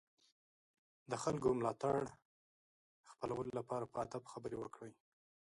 د خلکو ملاتړ خپلولو لپاره په ادب خبرې وکړئ.